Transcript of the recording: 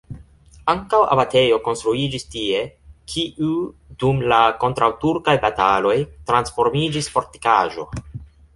Ankaŭ abatejo konstruiĝis tie, kiu dum la kontraŭturkaj bataloj transformiĝis fortikaĵo.